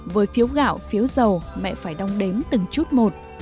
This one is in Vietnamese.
với phiếu gạo phiếu dầu mẹ phải đong đếm từng chút một